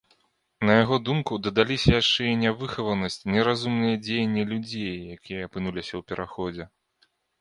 На яго думку, дадаліся яшчэ і нявыхаванасць, неразумныя дзеянні людзей, якія апынуліся ў пераходзе.